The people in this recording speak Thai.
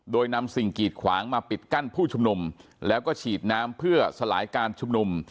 โดยนำสิ่งกีดขวางมาปิดกั้นผู้ชุมนุมแล้วก็ฉีดน้ำเพื่อสลายการชุมนุม